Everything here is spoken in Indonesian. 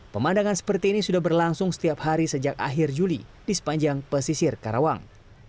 pemandangan seperti ini sudah berlangsung setiap hari sejak akhir juli di sepanjang pesisir karawang